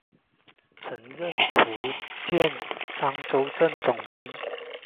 曾任福建漳州镇总兵。